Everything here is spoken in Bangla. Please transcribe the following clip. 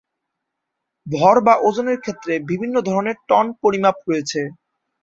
ভর বা ওজনের ক্ষেত্রে বিভিন্ন ধরনের "টন" পরিমাপ রয়েছে।